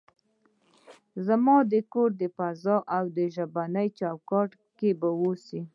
زما د کور د فضا او ژبني چوکاټ کې به اوسئ.